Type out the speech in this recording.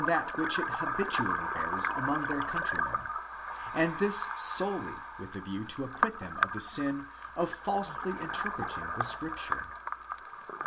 129 which it habitually bears among their countrymen ; and this solely with the view to acquit them of the sin of falsely interpreting the Scripture.